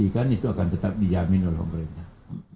itu akan tetap dijamin oleh pemerintah